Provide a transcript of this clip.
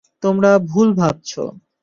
তোমরা ভুল ভাবছো।